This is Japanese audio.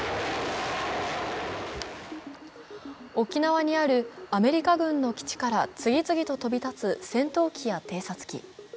沖縄にあるアメリカ軍の基地から次々と飛び立つ戦闘機や偵察機。